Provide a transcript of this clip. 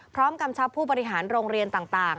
กำชับผู้บริหารโรงเรียนต่าง